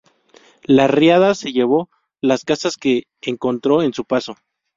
La riada se llevó las casas que encontró en su paso.